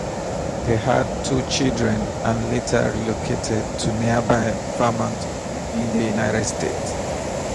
They had two children and later relocated to nearby Vermont in the United States.